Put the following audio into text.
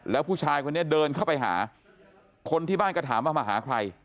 แล้วผู้ชายคนนี้เดินเข้าไปหาคนที่บ้านก็ถามว่ามาหาใคร